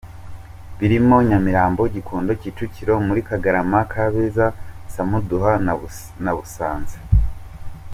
Birimo Nyamirambo, Gikondo, Kicukiro muri Kagarama, Kabeza, Samuduha na Busanza.